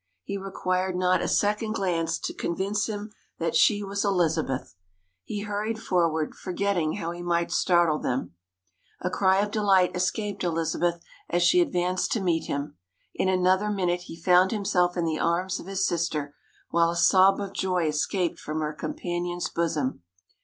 He required not a second glance to convince him that she was Elizabeth. He hurried forward, forgetting how he might startle them. A cry of delight escaped Elizabeth as she advanced to meet him. In another minute he found himself in the arms of his sister, while a sob of joy escaped from her companion's bosom.